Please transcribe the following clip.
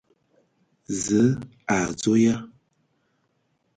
Zǝə, o adzo ya ?